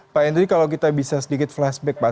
pak henry kalau kita bisa sedikit flashback pak